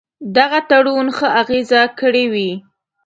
دغه تړون ښه اغېزه کړې وي.